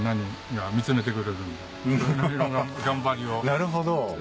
なるほど。